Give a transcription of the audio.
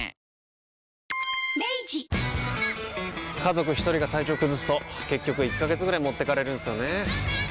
家族一人が体調崩すと結局１ヶ月ぐらい持ってかれるんすよねー。